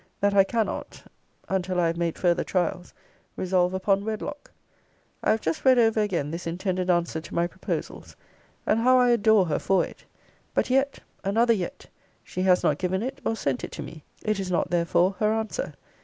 that I cannot, until I have made further trials, resolve upon wedlock. I have just read over again this intended answer to my proposals: and how I adore her for it! But yet; another yet! She has not given it or sent it to me. It is not therefore her answer.